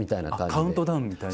カウントダウンみたいな。